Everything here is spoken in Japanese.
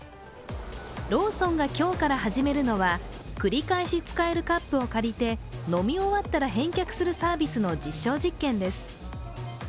ローソンが今日から始めるのは繰り返し使えるカップを借りて飲み終わったら返却するサービスの実証実験です。